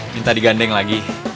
minta digandeng lagi